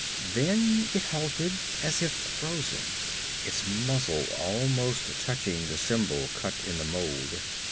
Then it halted as if frozen, its muzzle almost touching the symbol cut in the mold.